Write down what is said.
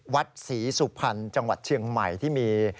วัดศรีสุพรรณจังหวัดเชียงใหม่ที่มี